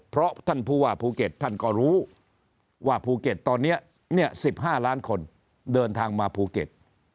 เพราะท่านผู้ว่าภูเก็ตท่านก็รู้ว่าภูเก็ตตอนนี้๑๕ล้านคนเดินทางมาภูเก็ต